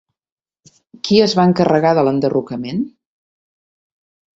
Qui es va encarregar de l'enderrocament?